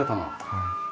はい。